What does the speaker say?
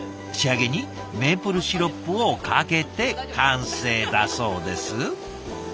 仕上げにメープルシロップをかけて完成だそうです。